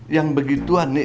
yang begituan nih